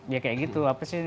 ya kayak gitu apa sih